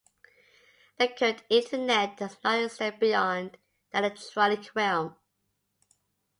The current Internet does not extend beyond the electronic realm.